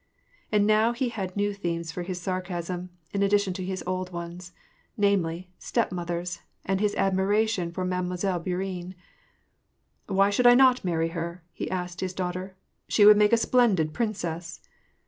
And he now had new themes for his sarcasm, in addition to his old ones: namely, stepmothers, and liis admiration for Mademoiselle Bourienne. " Why should I not marry her ?" he asked his daughter. " She would make a splendid princess